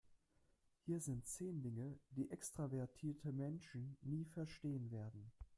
Hier sind zehn Dinge, die extravertierte Menschen nie verstehen werden.